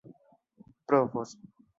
provos